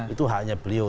itu haknya beliau